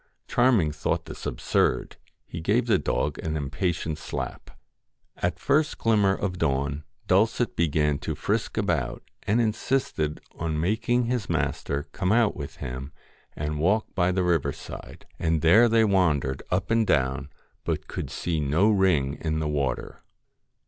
Charming thought this absurd ; he gave the dog a little impatient slap. At the first glimmer of dawn, Dulcet began to frisk about, and insisted on making his master come out with him, and walk by the river side ; and there '74 they wandered up and down, but could see no ring THE FAIR in the water.